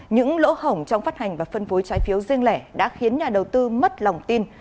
những lỗ hỏng trong phát hành và phân phối trái phiếu riêng lẻ đã khiến nhà đầu tư mất lòng tin